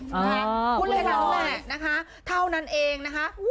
พูดแค่นั้นแหละนะคะเท่านั้นเองนะคะ